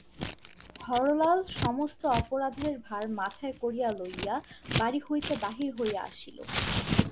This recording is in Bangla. হরলাল সমস্ত অপরাধের ভার মাথায় করিয়া লইয়া বাড়ি হইতে বাহির হইয়া আসিল।